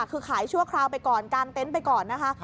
คือขายชั่วคราวไปก่อนกางเต็นต์ไปก่อนนะคะ